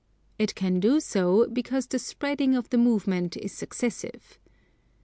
It can do so because the spreading of the movement is successive.